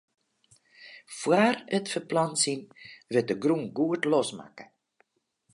Fóár it ferplantsjen wurdt de grûn goed losmakke.